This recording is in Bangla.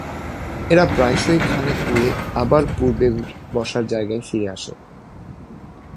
এরা প্রায়শই খানিক উড়ে আবার পূর্বের বসার জায়গায় ফিরে আসে।